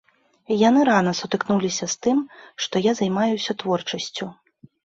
Яны рана сутыкнуліся з тым, што я займаюся творчасцю.